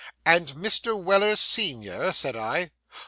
'And Mr. Weller senior?' said I.